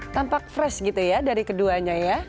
tampak fresh gitu ya dari keduanya ya